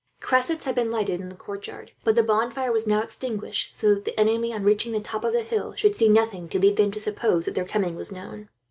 Cressets had been lighted in the courtyard, but the bonfire was now extinguished so that the enemy, on reaching the top of the hill, should see nothing to lead them to suppose that their coming was known.